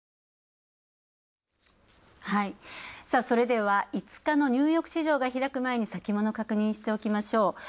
それでは５日のニューヨーク市場が開く前に先物を確認しましょう。